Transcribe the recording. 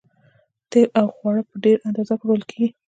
تیل او خواړه په ډیره اندازه پلورل کیږي